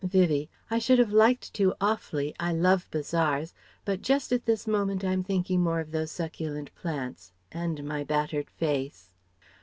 Vivie: "I should have liked to awfully: I love bazaars; but just at this moment I'm thinking more of those succulent plants ... and my battered face."